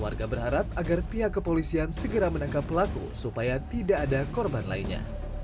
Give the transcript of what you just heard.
warga berharap agar pihak kepolisian segera menangkap pelaku supaya tidak ada korban lainnya